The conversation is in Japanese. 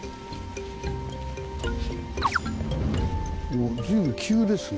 おっ随分急ですね。